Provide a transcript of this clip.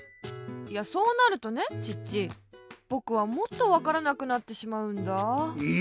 いやそうなるとねチッチぼくはもっとわからなくなってしまうんだ。え？